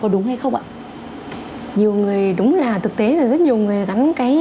đúng không giáo sư ạ